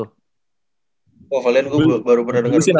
oh valiant gue baru pernah denger